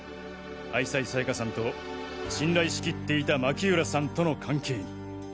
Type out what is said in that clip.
愛妻さやかさんと信頼しきっていた巻浦さんとの関係に。